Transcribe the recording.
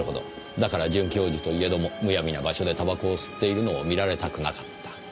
だから准教授といえどもむやみな場所で煙草を吸っているのを見られたくなかった。